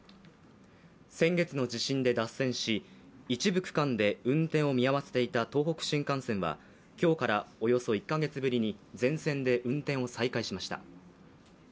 先月の地震で脱線し、一部区間で運転を見合わせていた東北新幹線は今日からおよそ１カ月ぶりに全線で運転を再開しました。